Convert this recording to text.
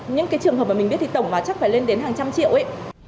những cái trường hợp mà mình biết thì tổng vào chắc phải lên đến hàng trăm triệu ý